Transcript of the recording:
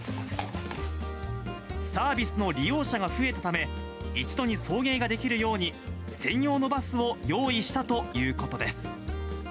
サービスの利用者が増えたため、一度に送迎ができるように専用のバスを用意したということです。